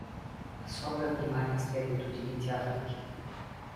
Особое внимание следует уделить Африке.